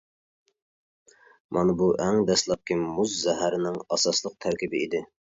مانا بۇ ئەڭ دەسلەپكى مۇز زەھەرنىڭ ئاساسلىق تەركىبى ئىدى.